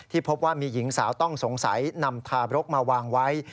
พบว่ามีหญิงสาวต้องสงสัยนำทารกมาวางไว้